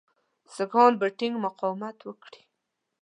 سیکهان به ټینګ مقاومت وکړي.